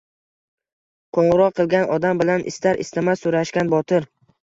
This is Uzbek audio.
Qo`ng`iroq qilgan odam bilan istar-istamas so`rashgan Botir